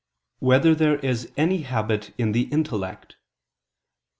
4] Whether There Is Any Habit in the Intellect?